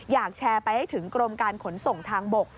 อยากแชร์ไปให้ถึงกรมการขนส่งทางบก